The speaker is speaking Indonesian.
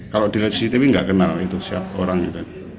kalau di lhc tv tidak kenal itu siapa orang itu